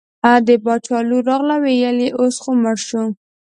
د باچا لور راغله وویل اوس خو مړ شو.